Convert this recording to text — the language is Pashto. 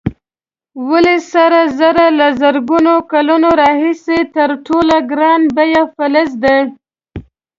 ولې سره زر له زرګونو کلونو راهیسې تر ټولو ګران بیه فلز دی؟